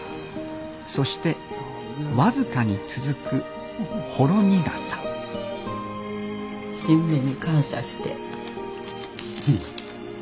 そして僅かに続くほろ苦さ新芽に感謝して。